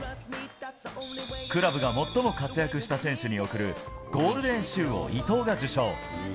クラブが最も活躍した選手に贈る、ゴールデンシューを伊東が受賞。